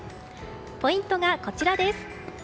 ポイントはこちらです。